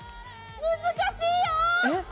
難しいよ！